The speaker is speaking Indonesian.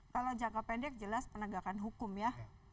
kalau jangka pendek jelas penegakan hukum ya